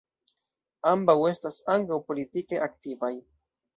Ambaŭ estas ankaŭ politike aktivaj.